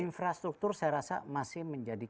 infrastruktur saya rasa masih menjadi